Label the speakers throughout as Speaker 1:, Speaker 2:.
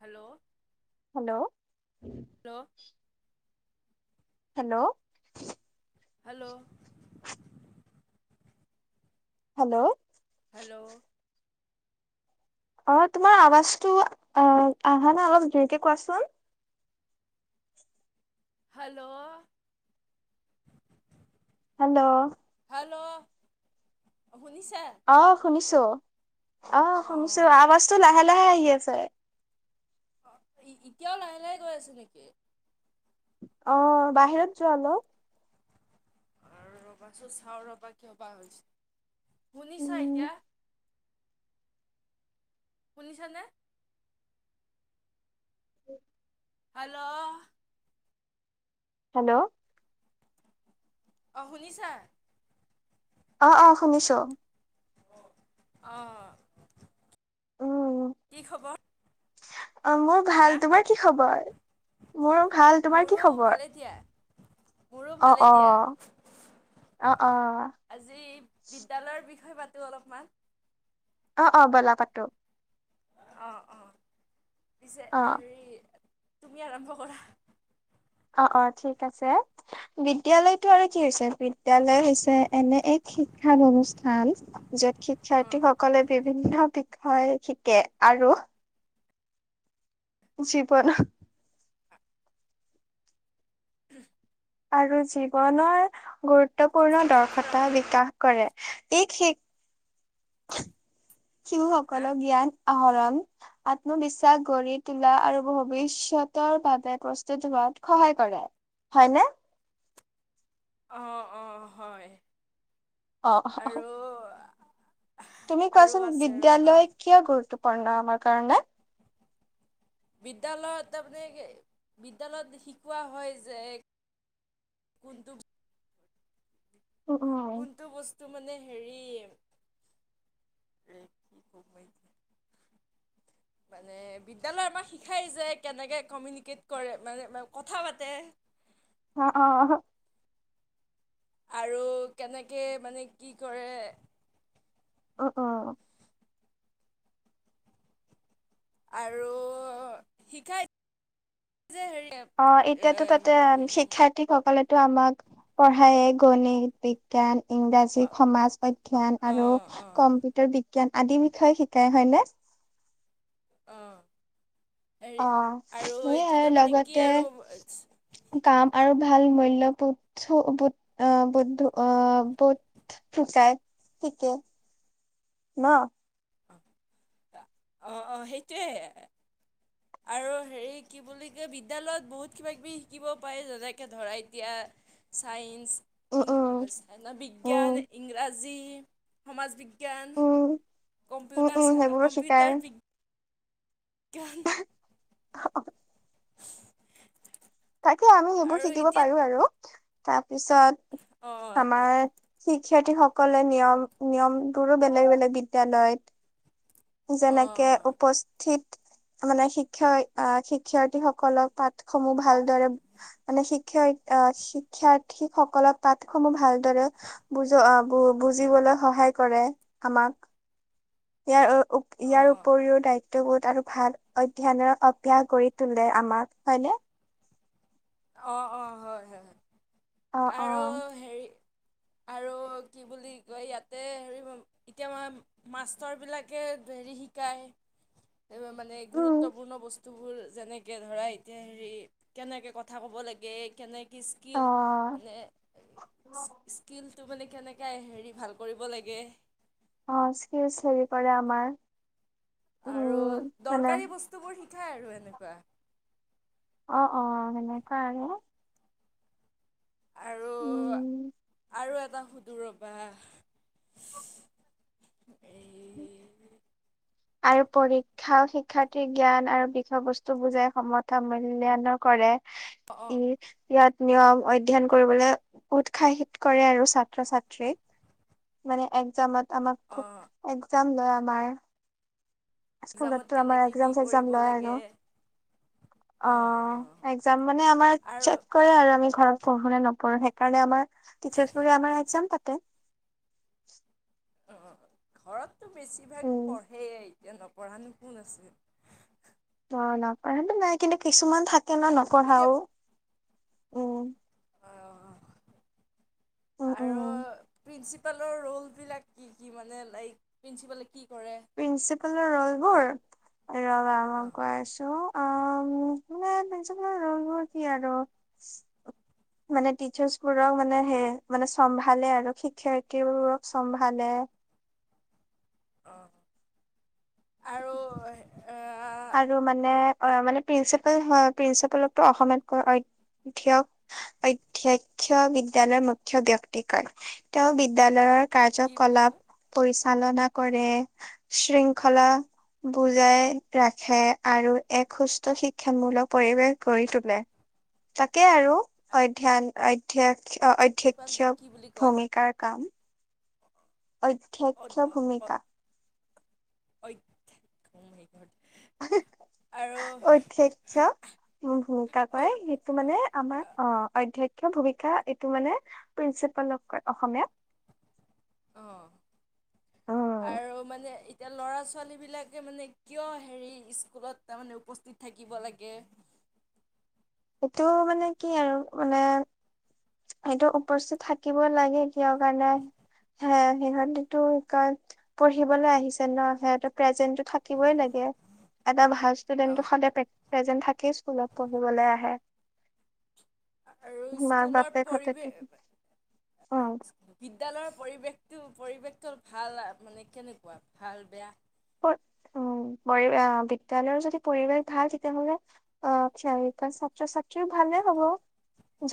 Speaker 1: Hello
Speaker 2: hello
Speaker 1: ন
Speaker 2: hello
Speaker 1: hello
Speaker 2: hello
Speaker 1: hello
Speaker 2: অ, তোমাৰ আৱাজটো আহ আহা না অলপ জোৰকে কোৱাচোন।
Speaker 1: হেল্ল'
Speaker 2: হেল্ল'
Speaker 1: হেল্ল শুনিছা
Speaker 2: অ, শুনিছো। ট অ' শুনিছো,
Speaker 1: অঁ
Speaker 2: আৱাজ তো লাহে লাহে আহি আ চাই
Speaker 1: এতিয়াও লাহে-লাহে গৈ আছে নেকি?
Speaker 2: অ', বাহিৰত যোৱা অলপ।
Speaker 1: আৰু ৰ'বাচোন চাওঁ ৰ'বা কিয় বা হৈছে। শুনিছা
Speaker 2: উম
Speaker 1: এতিয়া? শুনিছানে? Hello
Speaker 2: hello.
Speaker 1: অ, শুনিছা?
Speaker 2: অ', অ', শুনিছো।
Speaker 1: অ',
Speaker 2: উম
Speaker 1: কি খবৰ?
Speaker 2: অ মোৰ
Speaker 1: হা
Speaker 2: ভাল। তোমাৰ কি খবৰ? মোৰ ভাল। তোমাৰ কি
Speaker 1: মোৰো
Speaker 2: খবৰ?
Speaker 1: ভালে দিয়া মোৰো
Speaker 2: অ
Speaker 1: ভালেই
Speaker 2: অ
Speaker 1: দিয়া,
Speaker 2: অ অ
Speaker 1: আজি বিদ্যালয়ৰ পাতো অলপমান
Speaker 2: অ', অ', ব'লা পাতো।
Speaker 1: অঁ অঁ পিছে
Speaker 2: অ
Speaker 1: হেৰি তুমি আৰম্ভ কৰা।
Speaker 2: অ'-অ' ঠিক আছে। বিদ্যয়ালয়টো আৰু কি হৈছে, বিদ্যালয় হৈছে এনে এক শিক্ষা অনুষ্ঠান, যত শিক্ষাৰ্থীসকলে বিভিন্ন হয় হিকে, আৰু জি প ন [unintelligible]
Speaker 1: উম [inaudible]
Speaker 2: আৰু জীৱনৰ গুৰুত্ব গুৰুত্বপূৰ্ণ
Speaker 1: লক্ষ্য
Speaker 2: দৰ্শতা
Speaker 1: ৰাখে
Speaker 2: বিকাশ কৰে, ই শ [inaudible]
Speaker 1: হা
Speaker 2: শিশুসকলৰ জ্ঞান আহৰণ, আত্মবিশ্বাস গঢ়ি তোলা আৰু ভৱিষ্যতৰ বাবে প্ৰস্তুত হোৱাত সহায় কৰে, হয়নে?
Speaker 1: অ', অ', হয়।
Speaker 2: অ
Speaker 1: আৰু
Speaker 2: তুমি
Speaker 1: আৰু
Speaker 2: কোৱাচোন
Speaker 1: আছে ৰ'বা
Speaker 2: বিদ্যালয় কিয় গুৰুত্বপূৰ্ণ আমাৰ কাৰণে?
Speaker 1: বিদ্যয়ালয়ত তাৰমানে, বিদ্যালয়ত শিকোৱা হয় যে, কোনটো
Speaker 2: উম উম
Speaker 1: কোনটো বস্তু মানে হেৰি, মানে বিদ্যালয়ে আমাক শিকাই যে কেনেকে কমিউনিকেট কৰে, মানে কথা পাতে।
Speaker 2: অ', অ'।
Speaker 1: আৰু কেনেকে মানে কি কৰে
Speaker 2: অ, অ'।
Speaker 1: আৰু শিকাই যে হেৰি
Speaker 2: অ', এতিয়াতো তাতে শিক্ষাৰ্থীসকলে তটো আমাক পঢ়ায়, গণিত, বিজ্ঞান
Speaker 1: অ
Speaker 2: ইংৰাজী, সমাজ অধ্যয়ন
Speaker 1: অ
Speaker 2: আৰু
Speaker 1: অ
Speaker 2: কম্পিউটাৰ বি বিজ্ঞান আদিৰ বিষয়ে শিকাই, হয়নে?
Speaker 1: অ হেৰি
Speaker 2: অঁ,
Speaker 1: আৰু এইটো
Speaker 2: সেয়াই
Speaker 1: তাৰমানে কি
Speaker 2: লগতে
Speaker 1: আৰু
Speaker 2: কাম আৰু ভাল মূল্য়ো বু [unintelligible] ব আহ বুধ হিকাই, হিকে ন'?
Speaker 1: অ-অ সেইটোৱে, আৰু হেৰি কি বুলি কয়, বিদ্যালয়ত বহুত কিবা কিবি শিকিব পাৰি, যেনেকে ধৰা এতিয়া চাইন্স
Speaker 2: উম
Speaker 1: ই
Speaker 2: উম
Speaker 1: ব, বিজ্ঞান,
Speaker 2: উম
Speaker 1: ইংৰাজী জি সমাজ বি্ঞান কেন
Speaker 2: উম
Speaker 1: [unintelligible]
Speaker 2: উম
Speaker 1: কম্পিউটাৰ
Speaker 2: উম
Speaker 1: চ
Speaker 2: সেইবোৰো শিকাই
Speaker 1: কম্পিউটাৰ বিজ্ঞ বিজ্ঞান
Speaker 2: তাকে, আমি সেইবোৰ
Speaker 1: আৰু
Speaker 2: শিকিব
Speaker 1: এতিয়া
Speaker 2: পাৰো আৰু। তাৰ পিছত,
Speaker 1: অ
Speaker 2: আমাৰ
Speaker 1: তাকে
Speaker 2: শিক্ষাৰ্থীসকল কলে নিয়ম নিয়মবোৰো বেলেগ বেলেগ বিদ্য়ালয়ত।
Speaker 1: অ
Speaker 2: যেনেকে উপস্থিত মানে শিক্ষয় শিক্ষাৰ্থীসকলক পাঠ সমূহ ভালদৰে, মানে শিক্ষয় শিক্ষাৰ্থীসকলক পাঠ সমূহ ভালদৰে বুজ বুজিবলৈ সহায় কৰে, আমাক। ইয়াৰো
Speaker 1: অ
Speaker 2: ইয়াৰ উপৰিও দায়িত্ব টো আৰু ভাল অধয়নৰ অভ্যয়াস গ তোলে আমাক হয়নে।
Speaker 1: অ', অ', হয়, হয়।
Speaker 2: অ অ
Speaker 1: আৰু হেৰি আৰু কি বুলি কয়, ইয়াতে হে এতিয়া ম মাষ্টৰ বিলাকে হেৰি শিকায়, মানে
Speaker 2: উম
Speaker 1: গুৰুত্বপূৰ্ণ বস্তুবোৰ যেনেকে ধৰা এতিয়া হেৰি কেনেকে ক কথা ক'ব লাগে কেনেকৈ কি
Speaker 2: অ
Speaker 1: স্কিল মানে স্কিল তো মানে কেনেকৈ হেৰি ভাল কৰিব লাগে।
Speaker 2: অ', স্কিলচ হেৰি কৰে আমাৰ। উম
Speaker 1: আৰু
Speaker 2: মানে
Speaker 1: দৰকাৰী বস্তুবোৰ শ কঠাই আৰু এনেকুৱা
Speaker 2: অ অ মনে তে
Speaker 1: আৰু,
Speaker 2: উম
Speaker 1: আৰু এটা সুদো ৰ'বা।
Speaker 2: হয়।
Speaker 1: এই
Speaker 2: আৰু পৰীক্ষা, শিক্ষাৰ্থীৰ জ্ঞান আৰু বিষয় বস্তু বুজাই সমতা মূল্যায়নো কৰে।
Speaker 1: অঁ অঁ
Speaker 2: এ, ইয়াত, নিয়ম অধ্যয়ন কৰিবলৈ উৎসাহিত কৰে আৰু ছাত্ৰ ছাত্ৰী মানে এক্জামত আমাক খু
Speaker 1: অঁ
Speaker 2: এক্সাম লয় বাই স্কুল
Speaker 1: এক্সামত
Speaker 2: তেওঁ আমাৰ
Speaker 1: কেনেকৈ কি
Speaker 2: এসাম সেশম
Speaker 1: কৰিব
Speaker 2: নাই আৰু
Speaker 1: লাগে অঁ
Speaker 2: অ',
Speaker 1: অঁ
Speaker 2: এসাম মানে আমাৰ
Speaker 1: আৰু
Speaker 2: চেক কৰে আৰু আমি ঘৰত পহু নে নপহো কাৰণে আমাৰ টিচাৰ্চবোৰে আমাৰ একজাম পাতে।
Speaker 1: অ ঘৰত তো বেছিভাগ
Speaker 2: উম
Speaker 1: পঢ়েই এতিয়া নপঢ়া নো কোন আছিল।
Speaker 2: ন নাপায়ো নাই কিন্তু কিছুমান থাকে কলা নপঢ়াও।
Speaker 1: এতিয়া
Speaker 2: উম
Speaker 1: অঁ
Speaker 2: উম,
Speaker 1: আৰু
Speaker 2: উম,
Speaker 1: প্ৰিঞ্চি কালৰ ৰ'লবিলাক কি কি মানে লাইক প্ৰিন্সিপাল।
Speaker 2: প্ৰিন্সিপালৰ ৰলবোৰ ৰবা ম কৈ আছো অ মে ৰলোৰ কি আৰু মানে টিচাৰ্চ বোৰক মানে সেই মানে চম্ভালে আৰু শিক্ষাৰ্থীবোৰক চম্ভালে।
Speaker 1: আৰু
Speaker 2: আৰু মানে মানে প্ৰিন হয় প্ৰিন্সিপালকো অসমিয়াত কই অধ্যক অধ্যক্ষ বিদ্যয়ালয়ৰ মুখ্য ব্যক্তি কয় তেওঁ বিদ্যালয়ৰ।
Speaker 1: কি বুলি
Speaker 2: কাৰ্যকলাপ
Speaker 1: কয়
Speaker 2: পৰিচ পালনা কৰে শৃংখলা বুজাই। ৰাখে আৰু এক সুস্থ শিক্ষামূলক পৰিৱেশ গঢ়ি তোলে তাকে আৰু অধ্যয়ন অধ্য়াস
Speaker 1: প্ৰিন্সিপালটোক
Speaker 2: অধ্যক্ষ
Speaker 1: কি বুলি কয়
Speaker 2: ভূমিকাৰ কাম। অধ্যক্ষ ভূমিকা।
Speaker 1: [inaudible] আৰু
Speaker 2: অধ্যক্ষ ভূমিকা
Speaker 1: অঁ
Speaker 2: কয় সেইটো মানে আমাৰ অধক্ষ্য ভূমিকা এইটো মানে প্ৰিন্সিপাল লগ অসমীয়া উম।
Speaker 1: আৰু মানে এতিয়া ল'ৰা ছোৱালীবিলাকে মানে কিয় হেৰি স্কুলত তাৰমানে উপস্থিত থাকিব লাগে।
Speaker 2: এইটো মানে কি আৰু মানে। সিহটো উপস্থিত থাকিবই লাগে কিয় কাৰণে হ সিহঁতেটো কয় পঢ়িবলৈ আহিছে ন সিহঁত প্ৰেজেন্টটো থাকিবই লাগে। ভাল
Speaker 1: অঁ
Speaker 2: ষ্টুডেণ্টটো সদ প্ৰেজেন্ট থাকে। কি স্কুলত পঢ়িবলৈ আহে।
Speaker 1: আৰু স্কুলৰ পৰিৱেশ
Speaker 2: অ।
Speaker 1: বিদ্যালয়ৰ পৰিৱেশটো পৰিৱেশটো ভাল মানে কেনেকুৱা ভাল বেয়া।
Speaker 2: উ পৰি বিদ্যালয়ৰ যদি পৰিৱেশ ভাল তেতিয়াহলে আহ খ ছাত্ৰ ছাত্ৰীও ভালে হ'ব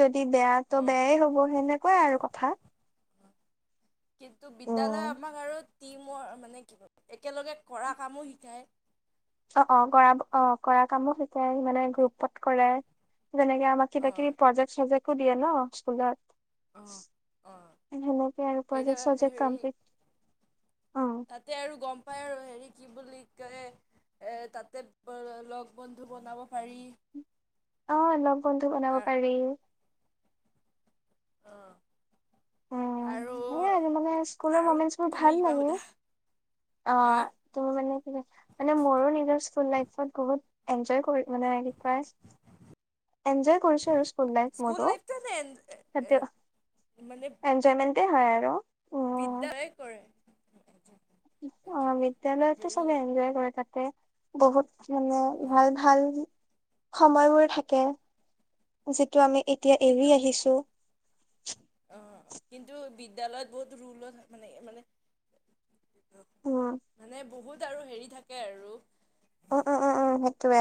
Speaker 2: যদি বেয়া তো
Speaker 1: অঁ
Speaker 2: বেয়াই হ'ব সেনেকুৱাই আৰু কথা।
Speaker 1: কিন্তু
Speaker 2: উম
Speaker 1: বিদ্যালসমূহত আমাক আৰু টিম মানে কি ক একেলগে কৰা কামো শিকায়।
Speaker 2: অ অ কৰা অ কৰা কামো শিকে মানে গ্ৰুপত কৰে। যেনেকেই আমাক কিবা কিবি
Speaker 1: অ'।
Speaker 2: প্ৰজেক্ট চজেক্ত স দিয়া ন স্কুল অত
Speaker 1: অ'। অ'
Speaker 2: সেনেকে আৰু
Speaker 1: এতিয়া
Speaker 2: প্ৰজেক্ট চজেক্
Speaker 1: হেৰি
Speaker 2: কমপ্লিট। অ
Speaker 1: তাতে আৰু গম পাই আৰু হেৰি কি বুলি কয় এ তাতে লগ বন্ধু বনাব পাৰি।
Speaker 2: অ লগ বন্ধু বনাব পাৰি।
Speaker 1: আহ।
Speaker 2: অঁ, সেইয়া মানে স্কুলৰ
Speaker 1: আৰু
Speaker 2: মমেণ্টচ বোৰ
Speaker 1: তুমি
Speaker 2: ভাল
Speaker 1: কিবা
Speaker 2: লাগে।
Speaker 1: সোধা হা
Speaker 2: অ', ত' মানে কি কয় মানে মোৰো নিজৰ স্কুল লাইফত বহুত এন্জয় কৰি মানে কি কয়, এনজয় কৰিছো আৰু স্কুল লাইফ মোৰো।
Speaker 1: লাইফটো নে
Speaker 2: হেতু ইঞ্জয়মেন্ত তে হয় আৰু।
Speaker 1: বিদ্যাই কৰে।
Speaker 2: অঁ, বিদ্যালয়তো
Speaker 1: হেৰি
Speaker 2: চবে এনজয় কৰে তাতে। বহুত মানে
Speaker 1: অ'
Speaker 2: ভাল- ভাল সময়বোৰ থাকে। যে টো আমি এতিয়া এৰি আহিছো।
Speaker 1: অঁ, কিন্তু বিদ্যালয়ত বহুত ৰুলত মানে- মানে
Speaker 2: উম
Speaker 1: মানে বহুত আৰু হেৰি থাকে আৰু।
Speaker 2: উম উম-উম- উম্ সেইটোৱে।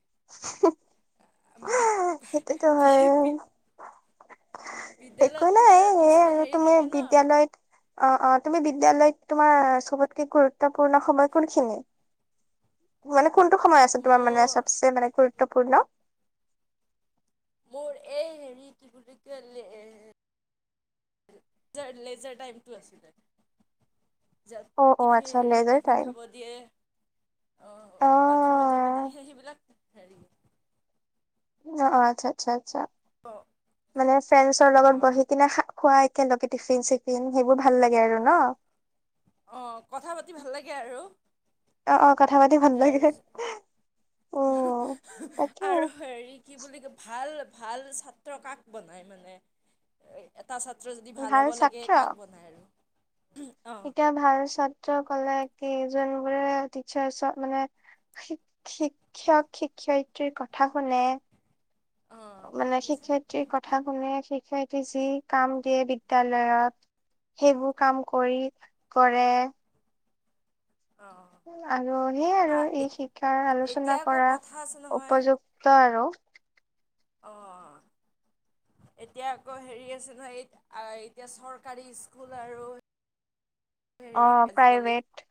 Speaker 2: [unintelligible]
Speaker 1: বি
Speaker 2: সেইটোতো
Speaker 1: বি
Speaker 2: হয়।
Speaker 1: বি
Speaker 2: একো
Speaker 1: বিদ্যালয়ত মানে
Speaker 2: নাই এ সেই
Speaker 1: কিছুমান
Speaker 2: আৰু
Speaker 1: হেৰি
Speaker 2: তুমি
Speaker 1: থাকে ন
Speaker 2: বিদ্যালয়ত, অ অ তুমি বিদ্যালয়ত তোমাৰ চবতকে গুৰুত্বপূৰ্ণ সময় কোন খিনি। মানে কোনটো সময় আছে তোমাৰ মানে
Speaker 1: মোৰ
Speaker 2: চবচে মানে গুৰুত্বপূৰ্ণ।
Speaker 1: মোৰ এই হেৰি কি বুলি লে লেজাৰটাইমটো আছিলে।
Speaker 2: অ', অ',
Speaker 1: টিফিন
Speaker 2: আচ্ছা
Speaker 1: হেৰি
Speaker 2: লেজাৰ
Speaker 1: টিফিন
Speaker 2: টাইম
Speaker 1: খাব দিয়ে অ', বাথৰুমত যাব দিয়ে, সেই সেইবিলাক [unintelligible]
Speaker 2: অ', আচ্ছা আচ্ছা- আচ্ছা।
Speaker 1: অঁ
Speaker 2: মানে ফ্ৰেণ্ডছৰ লগত
Speaker 1: অঁ
Speaker 2: বহি কিনে খোৱা কেনেকে টিফিন চিফিন সেইবোৰ ভাল লাগে আৰু ন।
Speaker 1: অ' কথা পাতি ভাল লাগে আৰু।
Speaker 2: অ' অ' কথা পাতি ভাল লাগে।
Speaker 1: তাৰপিছত
Speaker 2: উম, তাকে
Speaker 1: আৰু হেৰি কি বুলি কয়, ভাত ভাল-ভাল ছাত্ৰ কাক বনায় মানে টা ছাত্ৰ যদি ভাল হ'ব লাগে, কাক বনায় আৰু। অ'।
Speaker 2: এতিয়া ভাল ছাত্ৰ কলে কেইজন গলে টিচাৰ্ছৰ মানে শিক্ষক শিক্ষয়িত্ৰীৰ কথা শুনে।
Speaker 1: অ',
Speaker 2: মানে শিক্ষয়িত্ৰীৰ কথা শুনে শিক্ষয় যি কাম দিয়ে বিদ্যয়ালয়ত সেইবোৰ কাম কৰি কৰে
Speaker 1: অ'।
Speaker 2: আৰু সেইয় আৰু
Speaker 1: আ-
Speaker 2: এই
Speaker 1: এত-
Speaker 2: শিক্ষাৰ
Speaker 1: এতিয়া
Speaker 2: আলোচনা
Speaker 1: আকৌ
Speaker 2: কৰা
Speaker 1: কথা আছে
Speaker 2: উপযুক্ত আৰু
Speaker 1: অঁ এতিয়া আকৌ হেৰি আছে নহয় এতিয়া চৰকাৰী স্কুল আৰু
Speaker 2: অঁ প্ৰাইভেট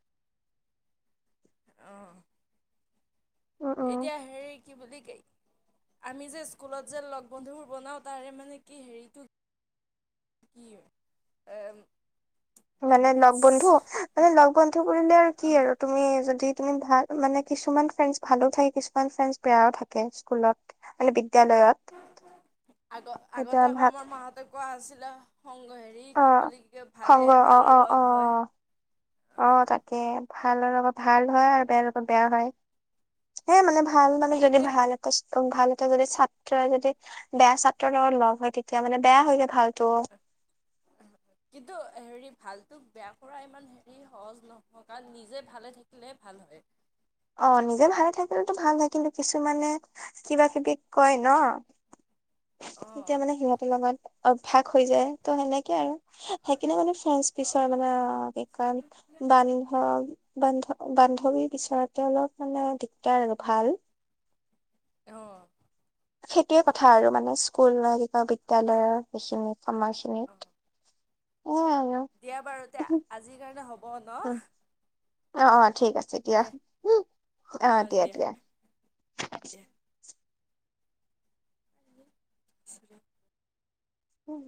Speaker 1: আহঁ
Speaker 2: উম উম
Speaker 1: এতিয়া হেৰি কি বুলি ক আমি যে স্কুলত যে লগ বন্ধুবোৰ বনাওঁ তাৰে মানে কি হেৰিটো কি
Speaker 2: মানে লগ
Speaker 1: বেনিফিটছ
Speaker 2: বন্ধু মানে লগ বন্ধু বুললে আৰু কি
Speaker 1: অ'
Speaker 2: আৰু তুমি যদি ভাল মানে কিছুমান ফ্ৰেণ্ড ভালো থাকে কিছুমান ফ্ৰেণ্ড বেয়াও থাকে স্কুলত মানে বিদ্যালয়ত
Speaker 1: আগ
Speaker 2: এতিয়া
Speaker 1: আগতে আকৌ
Speaker 2: ভাত
Speaker 1: আমাৰ মাহঁত কোৱা আছিলা সংগ হেৰি
Speaker 2: অ
Speaker 1: কি বুলি ক ভালেহে ভালৰ লগ হয়
Speaker 2: অঁ
Speaker 1: অ'
Speaker 2: তাকে ভালৰ লগত ভাল হয়, আৰু বেয়া লগত বেয়া হয়। হে মানে
Speaker 1: অ'
Speaker 2: ভাল মানে যদি
Speaker 1: কিন্তু
Speaker 2: ভাল একষ্ট ভাল এটা যদি ছাত্ৰই যদি বেয়া ছাত্ৰৰ লগত লগ হয় তেতিয়া মানে বেয়া হৈলে ভাল
Speaker 1: কিন্তু হেৰি ভালটোক বেয়া কৰা ইমান হেৰি সহজ নহয় কাৰণ নিজে ভালে থাকিলে ভাল হয়
Speaker 2: অঁ নিজে ভালে থাকিলতো ভাল নাই কিন্তু কিছুমানে কিবা কিবি কয় ন। তেতিয়া
Speaker 1: অঁ
Speaker 2: মানে সিহঁতৰ লগত অভ্যাস হৈ যায় ত' সেনেকে আৰু সেইকাৰনে মানে ফ্ৰে পিছৰ মানে কি ক বান্ধৱ বান্ধ বান্ধৱীৰ পিছত অলপ মানে দিগদাৰ আৰু ভাল
Speaker 1: অঁ।
Speaker 2: সেইটোয়ে কথা আৰু মানে স্কুল
Speaker 1: অঁ
Speaker 2: বিদ্যালয় ভেচিনি সমভাষণি
Speaker 1: অঁ দিয়া বাৰু তেতিয়া আজিৰ কাৰণে হ'ব ন
Speaker 2: অ অ ঠিক আছে
Speaker 1: দিয়া আহ দিয়া দিয়া [inaudible]
Speaker 2: উম